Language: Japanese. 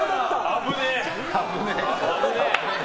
危ねえ。